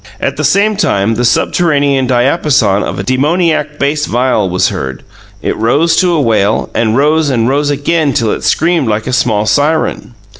At the same time the subterranean diapason of a demoniac bass viol was heard; it rose to a wail, and rose and rose again till it screamed like a small siren.